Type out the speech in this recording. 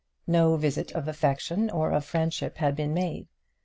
No visit of affection or of friendship had been made.